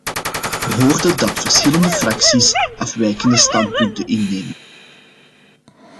We hoorden dat verschillende fracties afwijkende standpunten innemen.